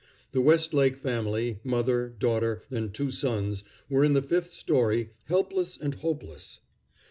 The Westlake family, mother, daughter, and two sons, were in the fifth story, helpless and hopeless.